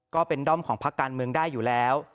ก็เป็นด้อมของพักการเมืองได้อยู่แล้ว